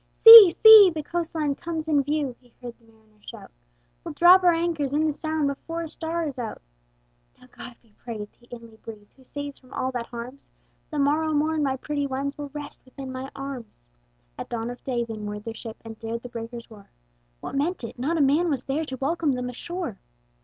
"See, see! the coast line comes in view!" He heard the mariners shout, "We'll drop our anchors in the Sound Before a star is out!" "Now God be praised!" he inly breathed, "Who saves from all that harms; The morrow morn my pretty ones Will rest within my arms." At dawn of day they moored their ship, And dared the breakers' roar: What meant it? not a man was there To welcome them ashore!